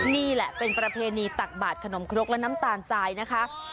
นี่แหละเป็นประเพณีตักบาดขนมครกและน้ำตาลทรายนะคะ